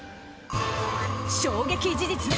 衝撃事実！